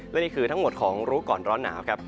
และนี่คือทั้งหมดของรู้ก่อนร้อนหนาวครับ